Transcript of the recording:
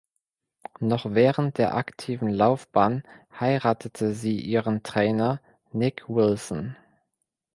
Noch während der aktiven Laufbahn heiratete sie ihren Trainer Nick Wilson.